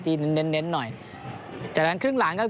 เน้นเน้นเน้นหน่อยจากนั้นครึ่งหลังครับ